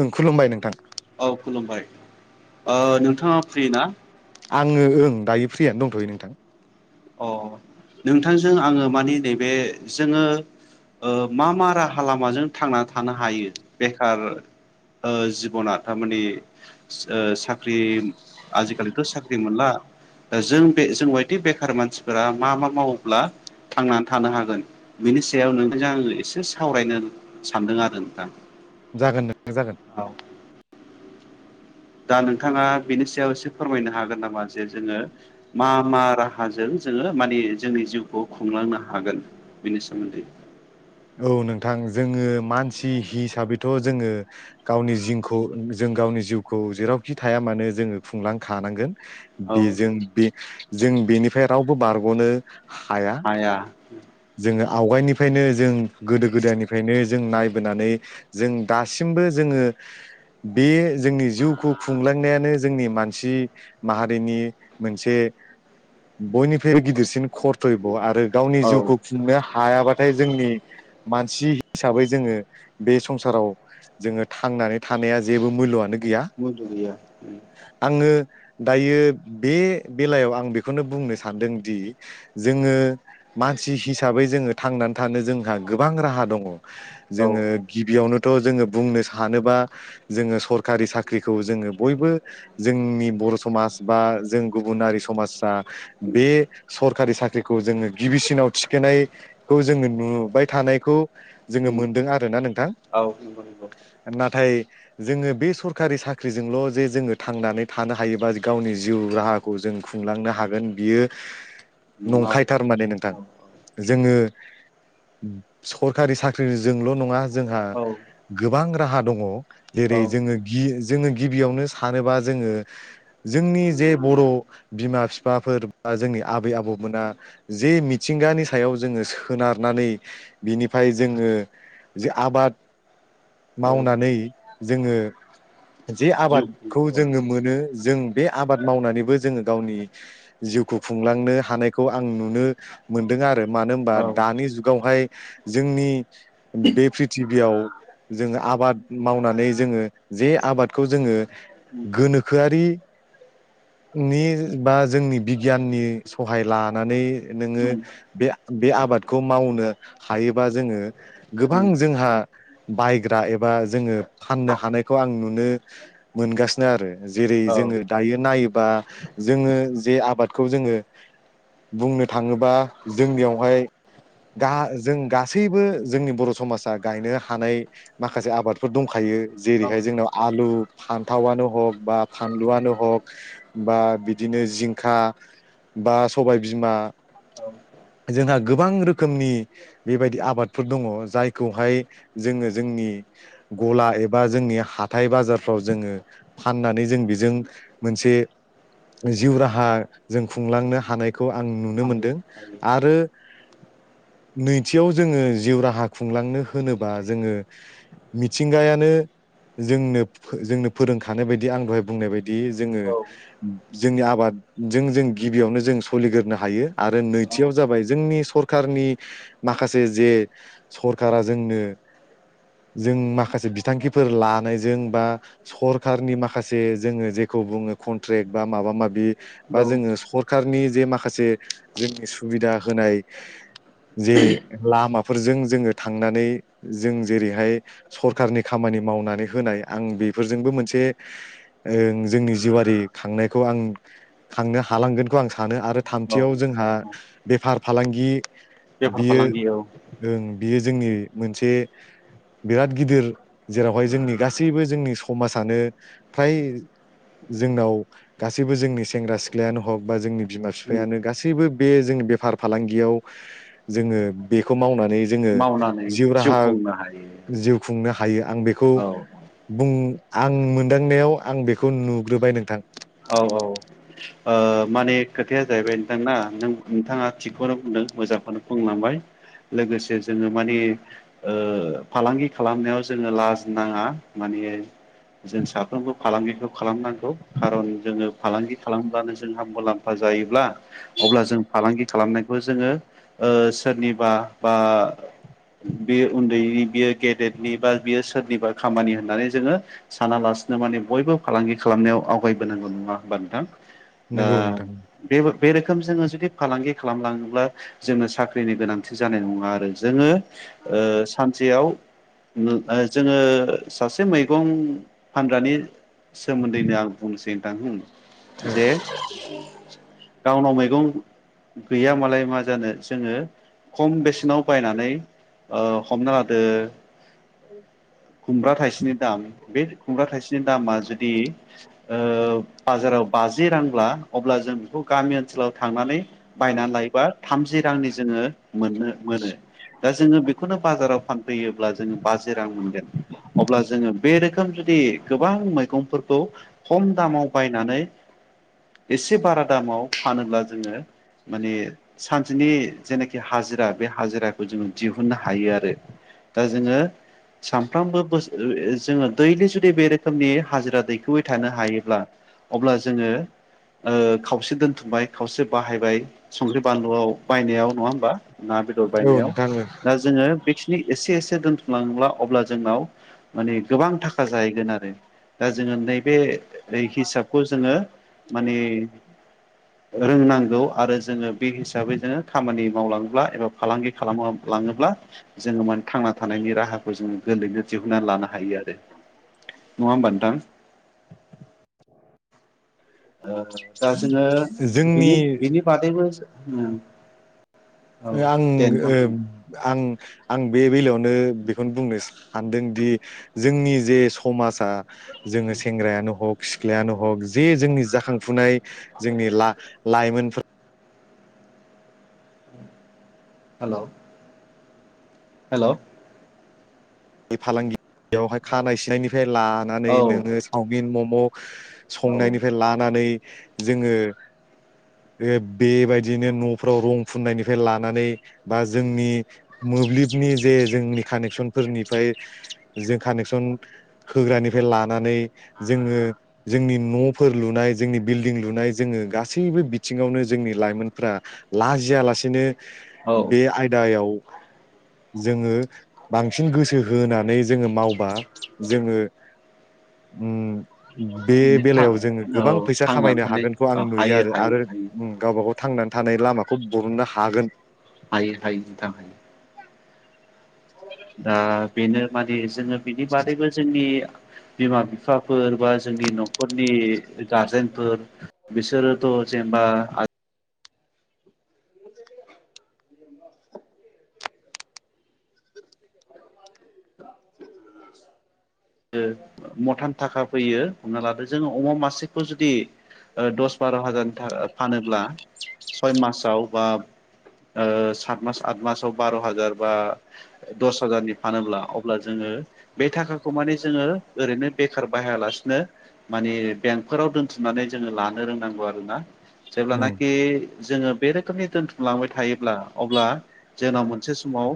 ओं खुलुमबाय नोंथां। औ खुलुमबाय नोंथाङा फ्रि ना? आङो ओं दायो फ्रियानो दंथ'यो नोंथां। अ नोंथांजों आङो मानि नैबे जोङो मा मा राहा लामाजों थांनानै थानो हायो बेखार जिबना थारमानि साख्रि साख्रि आजिखालिथ' साख्रि मोनला जों बे जों बायदि बे मानसिफोरा मा मा मावोब्ला थांनानै थानो हागोन बिनि सायाव नों जों आजों एसे सावरायनो सानदों आरो नोंथां। जागोन नों जागोन। औ [inaudible] दा नोंथाङा बिनि सायाव एसे फोरमायनो हागोन नामा जे जोङो मा मा राहाजों जोङो माने जोंनि जिउखौ खुंलांनो हागोन बेनि सोमोन्दै औ नोंथां जोङो मानसि हिसाबैथ' जोङो गावनि जिउखौ जों गावनि जिउखौ जेरावखि थाया मानो जोङो खुंलांखानांगोन। औ बेजों बे जों बेनिफ्राय रावबो बारग'नो हाया आया। आवगायनिफ्रायनो जों गोदो गोदायनिफ्रायनो जों नायबोनानै जों दासिमबो जोङो बे जोंनि जिउखौ खुंलांनायानो जोंनि मानसि माहारिनि मोनसे बयनिफ्रायबो गिदिरसिन खरथयब' आरो गावनि औ जिउखौ नो हायाबाथाय जोंनि मानसि हिसाबै जोङो बे संसाराव जोङो थांनानै थानाया जेबो मुल्यआनो गै गैया मुलि गैया आङो दायो बे बेलायाव आं बेखौनो बुंनो सानदोंदि जोङो मा मानसि हिसाबै जोङो थांनानै थानो जोंहा गोबां राहा दङ। औ जोङो गिबियावनो थ' जोङो बुंनो सानोबा जोङो सरखारि साख्रिखौ जोङो बयबो जोंनि बर' समाज बा जों गुबुनारि समाजा बे सरकारि साख्रि खौ जोङो गिबिसिनाव थिखोननायखौ जोङो नुबाय थानायखौ जोङो मोनदों आरोना नोंथां औ नंगौ नंगौ नाथाय जोङो बे सरखारि साख्रिजोंल' जे जोङो थांनानै थानो हायोबा गावनि जिउ राहाखौ जों खुंलांनो हागोन बियो नङा आरो नंखायथार माने नोंथां। जोङो सरखारि साख्रि जोंल' नङा। जोंहा गोबां राहा दङ जेरै जोङो गि जोङो गिबियावनो सानोबा जोङो जोंनि जे बर बिमा बिफाफोर बा जोंनि आबै आबौमोना जे मि मिथिंगानि सायाव जोङो सोनारनानै बिनिफ्राय जोङो जे आबाद औ मावनानै जोङो जे जिउ आबादखौ खुंनायाव जोङो मोनो जों बे आबाद मावनानैबो जोङो गावनि जिउखौ खुंलांनो हानायखौ आं नुनो मोन्दों आरो मानो होनबा औ दानि जुगावहाय जोंनि बे प्रिथिबियाव जोङो आबाद मावनानै जोङो जे आबादखौ जोङो गोनोखोआरिनि बा जोंनि बिगियाननि सहाय लानानै नोङो औ बे बे आबादखौ मावनो हायोबा जोङो गोबां जोंहा बायग्रा एबा जोङो फाननो हानायखौ आं नुनो मोनगासिनो आरो जेरै जोङो दायो नायोब बा जोङो जे आबादखौ जोङो बुंनो थाङोबा जों बेवहाय गा जों गासैबो जोंनि बर समाजा गायनो हानाय माखासे आबादफोर दंखायो औ जेरैहाय जोंनाव आलु फान्थावनो हक बा फानलुआनो हक बा बिदिनो जिंखा बा सबाय बिमा जोंहा गोबां रोखोमनि बेबायदि आबादफोर दङ जायखौहाय जोङो जोंनि गला एबा जोंनि हाथाइ बाजारफ्राव जोङो फाननानै जों बेजों मोनसे जिउ राहा जों खुंलांनो हानाय खौ आं नुनो हायो मोनदों हायो आरो नैथियाव जोङो जिउ राहा खुंलांनो होनोबा जोङो मिथिंगायानो जोंनो जोंनो फोरोंखानाय बायदि आं दहाय बुंनाय बायदि बि जोङो जोंनि आबादजों जों गिबियावनो जों सोलिग्रोनो हायो आरो नै औ थियाव जाबाय जोंनि सरखारनि माखासे जे सरखारा जोंनो जों माखासे बिथांखिफोर लानायजों बा सरखारनि माखासे जोङो जेखौ बुङो कन्ट्रेक्ट बा माबा माबि बा औ जोङो सरखारनि जे माखासे जोंनि सु सुबिदा होनाय जे लामाफोरजों जोङो थांनानै जों जेरैहाय सरखारनि खामानि मावनानै होनाय आं बेफोरजोंबो मोनसे जोंनि जिवारि खांनायखौ आं खांनो हालांगोनखौ आं स सानो आरो औ थामथियाव जोंहा बेफार फालांगि बेेफार बियो फालांगि औ ओं बियो जोंनि मोनसे बिराद गिदिर जेरावहाय जोंनि गासैबो जोंनि समाजानो फ्राय जोंनाव गासैबो जोंनि सेंग्रा सिख्लायानो हक बा जोंनि बिमा बिफायानो गासैबो बे जों बेफार फालांगियाव जोङो बेखौ मावनानै जोङो मावनानै जिउ राहा खुंनो हायो जिउ खुंनो हायो आं बेखौ औ बुं आं मोनदांनायाव आं बेखौ नुग्रोबाय नोंथां औ औ ओ माने खोथाया जाहैबाय नोंथांआ नों नोंथाङा थिगखौनो बुंदों मोजांखौनो बुंलांबाय लोगोसे जोङो माने ओ फालांगि खालामनायाव जोङो लाज नाङा माने जों साफ्रोमबो फालांगिखौ खालामनांगौ खारन जोङो फालांगि खालामब्लानो जोंहा मुलाम्फा जायोब्ला अब्ला जों फालांगि खालामनायखौ जोङो सोरनिबा बा बे उन्दैनि बियो गेदेरनि बा बियो सोरनिबा खामानि होननानै जोङो सानालासिनो माने बयबो फालांगि खालामनायाव आवगाय होनांगौ नङा होमबा नोंथां दा नंगौ नोंथां बेबो बे रोखोम जोङो जुदि फालांगि खालामलाङोब्ला जोङो साख्रिनि गोनांथि जानाय नङा आरो जोङो सानसेयाव जोङो सासे मैगं फानग्रानि सोमोन्दैनो आं बुंसेै जे गावनाव मै मैगं गैया मालाय मा जानो जोङो खम बेसे बिनाव बायनानै हमना लादो खुमब्रा थाइसेनि दाम बे खुमब्रा थाइसेनि दामा जुदि बाजाराव बाजि रांब्ला अब्ला जों बेखौ गामि ओनसोलाव थांनानै बायनानै लायोबा थामजि रांनि जोङो मोननो मोनो दा जोङो बेखौनो बाजाराव फानफैयोब्ला जोङो बाजि रां मोनगोन अब्ला जोङो बे रोखोम जुदि गोबां मैगंफोरखौ खम दामाव बायनानै एसे बारा दामाव फानोब्ला जोङो माने सानसेनि जेनाखि हाजिरा बे हाजिराखौ जोङो दिहुननो हायो आरो दा जोङो सानफ्रामबो जो दैलि जु बे रोखोमनि हाजिरा दैखो थानो हायोब्ला अब्ला जोङो । खावसे दोनथुमबाय खावसे बाहायबाय संख्रि बानलुआव बायनायाव नङा होमबा ना बेदर औ बायनायाव नोंथां दा जोङो बे एसे एसे दोनथुमलांब्ला अब्ला जोंनाव माने गोबां थाखा जाहैगोन आरो दा जोङो नै बे ओय हिसाबखौ जोङो माने रोंनांगौ आरो जोङो बे हिसाबै जोङो खामानि मावलाङोब्ला एबा फालांगि खालामलाङोब्ला जोङो मान थांना थानायनि राहाखौ जोङो गोरलैनो दिहुनन्नानै लानो हायो आरो नङा हबा नोंथां दा जोङो जोंनि बिनि बिनि बागैबो ओम । आं आं आं। बे बेलायावनो बेखौनो बुंनो सानदोंदि जोंनि जे समाजा जोङो सेंग्रायानो हक सिख्लायानो हख जे जोंनि जाखांफुनाय जोंनि ला लाइमोनफोरा हेलौ । हेलौ । बे फालांगि बेवहाय खानाय सिनायनिफ्राय लानानै औ नोङो चावमिन मम । मग औ संनायनिफ्राय लानानै जोङो बेब बेबायदिनो न'फ्राव रं फुननायनिफ्राय लानानै बा जोंनि मोब्लिबनि जे जोंनि कानेकसनफोरनि फाय जों कानेकसन होग्रानिफ्राय लानानै जोङो जोंनि न'फोर लुनाय जोंनि बिल्डिं लुनाय जोङो गासैबो बिथिङावनो जोंनि लाइमोनफ्रा लाजिया लासेनो औ बे आयदायाव जोङो बांसिन गोसो होनानै जोङो मावबा जोङो उम बे माने था बेलायाव जोङो औ गोबां फैसा थांनानै खामायनो थानो हागोनखौ आं नुयो हायो आरो हायो आरो हायो उम गावबा गाव थांनानै थानाय लामाखौ बरननो हागोन हायो हायो नोंथां हायो दा बेनो माने जोङो बिनि बादैबो जोंनि बिमा बिफाफोर बा जोंनि न'खरनि गारजेनफोर बिसोरोथ' जेनेबा ओ मथान थाखा फैयो हमना लादो जोङो अमा मासेखौ जुदि ओ दस बार' हाजारनि थाओ फानोब्ला सय मासाव बा ओ सात मास आत मासाव बार' हाजार बा दस हाजारनि फानोब्ला अब्ला जोङो बे थाखा खौ माने जोङो ओरैनो बेखार बाहायालासिनो माने बेंकफोराव दोनथुमनानै जोङो लानो रोंनांगौ आरोना जेब्ला उम नाखि जोङो बे रोखोमनि दोन्थुमलांबाय थायोब्ला अब्ला जोंनाव मोनसे समाव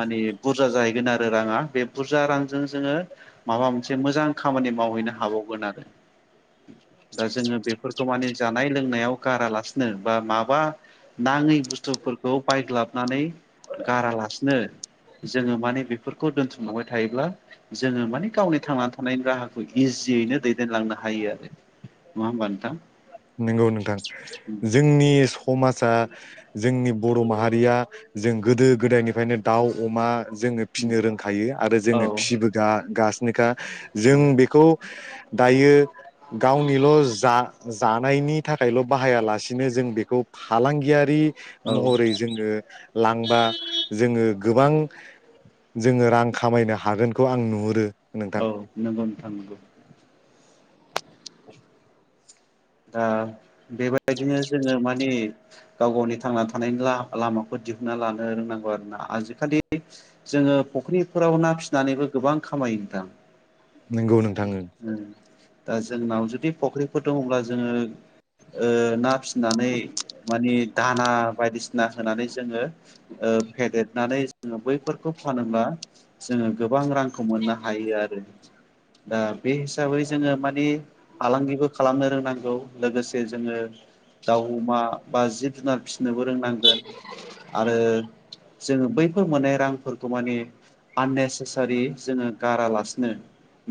माने बुरजा जाहैगोन आरो राङा बे बुरजा रांजों जोङो माबा मोनसे मोजां खामानि मावहैनो हाबावगोन आरो दा जोङो बेफोरखौ माने जानाय लोंनायाव गारालासिनो बा माबा नाङै बुस्थुफोरखौ बायग्लाबनानै गारालासिनो जोङो माने बेफोरखौ दोनथुमलांबाय थायोब्ला जोङो माने गावनि थांना थानायनि राहाखौ इजियैनो दैदेनलांनो हायो आरो नङा होमबा नोंथां नोंगौ नोंथां जोंनि समाजा जोंनि बर' माहारिया जों गोदो गोदायनिफ्रायनो दाउ अमा जोङो फिनो रोंखायो आरो औ जोङो फिबोगा गासि निखा औ जों बेखौ दायो गावनिल' जा जानायनि थाखायल' बाहायालासिनो जों बेखौ फालांगियारि औ महरै जोङो लांबा जोङो गोबां जोङो रां खामायनो हागोनखौ आं नुहुरो नोंथां औ नोंगौ नोंथां नोंगौ दा बेबायदिनो जोङो माने गाव गावनि थांना थानायनि ला लामाखौ दिहुनना लानो रोंनांगौ आरोना आजिखालि जोङो फख्रिनिफोराव ना फिसिनानैबो गोबां खामायो नोंथां नंगौ नोंथां [inaudible] उम दा जोंनाव जुदि फख्रिफोर दङ'ब्ला जोङो ओ ना फि नानै माने दाना बायदिसिना होनानै जोङो ओ फेदेरनानै जोङो बैफोरखौ फानोब्ला जोङो गोबां रांखौ मोननो हायो आरो दा बे हिसाबै जोङो मानि फालांगिबो खालामनो रोंनांगौ लोगोसे जोङो दाउ अमा बा जिब जुनार फिसिनोबो रोंनां गोन आरो जोङो बैफोर मोननाय रांफोरखौ माने आननेसेसारि जोङो गारालासिनो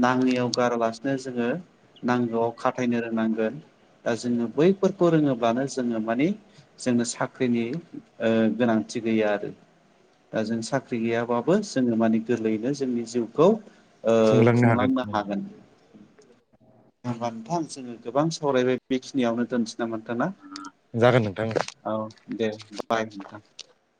नाङैयाव गारालासिनो जोङो नांगौआव खाथायनो रोंनांगोन दा जोङो बैफोरखौ रोङोब्लानो जोङो मानि जोंनो साख्रिनि ओ गोनांथि गैया आरो दा जों साख्रि गैयाबाबो जोङो मानि गोरलैयैनो जोंनि जिउखौ ओ खुंलांनो हागोन। होनबा नोंथां जोङो गोबां सावरायबाय बेखिनियावनो दोननोसै नामा। ना जागोन नोंथां औ दे बाय नोंथां।